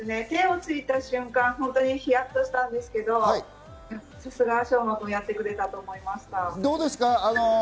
手をついた瞬間、ヒヤッとしたんですけど、さすが昌磨君、やってくれたと思いました。